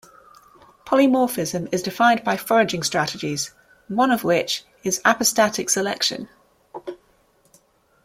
Polymorphism is defined by foraging strategies, one of which is apostatic selection.